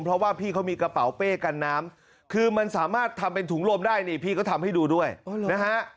เพราะว่าพี่เขามีกระเป๋าเป้กันน้ำคือมันสามารถทำเป็นถุงลมได้นี่พี่ก็ทำให้ดูด้วยนะฮะ